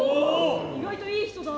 意外といい人だ。